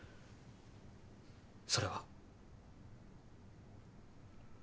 それは。